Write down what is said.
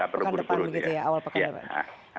pekan depan begitu ya awal pekan depan